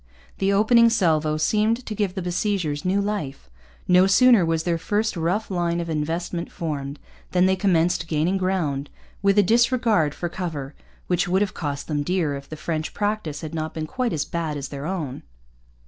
The opening salvo seemed to give the besiegers new life. No sooner was their first rough line of investment formed than they commenced gaining ground, with a disregard for cover which would have cost them dear if the French practice had not been quite as bad as their own.